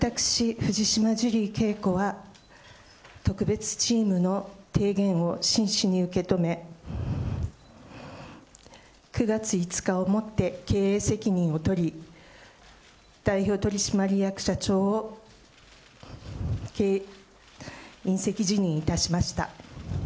藤島ジュリー景子は、特別チームの提言を真摯に受け止め、９月５日をもって経営責任を取り、代表取締役社長を引責辞任いたしました。